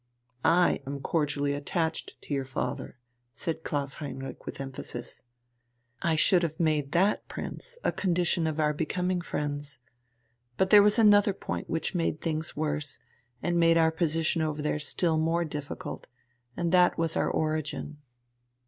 "I am cordially attached to your father," said Klaus Heinrich with emphasis. "I should have made that, Prince, a condition of our becoming friends. But there was another point which made things worse, and made our position over there still more difficult, and that was our origin."